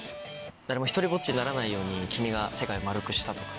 「誰も独りぼっちにならないように君が世界を丸くした」とか。